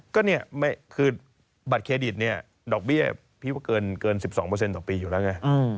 ก็เนี่ยคือบัตรเครดิตเนี่ยดอกเบี้ยพี่ว่าเกิน๑๒ต่อปีอยู่แล้วไง